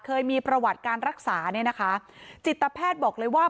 เคยมีประวัติการรักษาจิตตแพทย์บอกเลยว่า